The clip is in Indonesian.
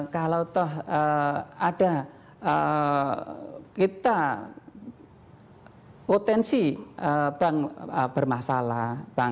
kalau toh ada kita potensi bank bermasalah